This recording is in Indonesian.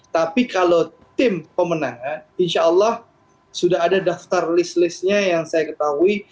tapi kalau tim pemenangan insya allah sudah ada daftar list listnya yang saya ketahui